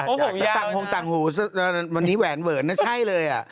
ต่างหงต่างหูวันนี้แหวนเวินน่าใช่เลย